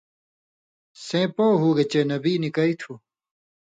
سېں پوہُوگے چےۡ نبیؐ نِکئ تُھو۔